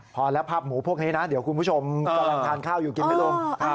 พอแล้วภาพหมูพวกนี้นะเดี๋ยวคุณผู้ชมกำลังทานข้าวอยู่กินไหมลุง